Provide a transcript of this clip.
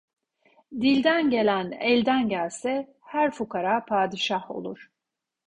Dilden gelen elden gelse, her fukara padişah olur.